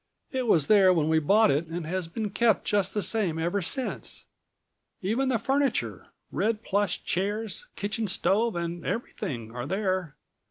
It was there when we bought it and has been kept just the same ever since. Even the furniture, red plush chairs, kitchen stove and everything, are there.